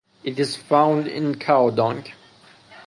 It is found in cow dung.